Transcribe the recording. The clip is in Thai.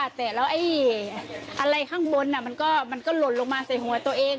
อะไรข้างบนก็ล่นลงไปสีหัวเป็นตัวเอง